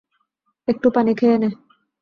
একটু পানি খেয়ে নে।